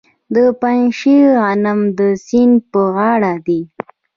د پنجشیر غنم د سیند په غاړه دي.